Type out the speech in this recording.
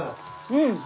うん！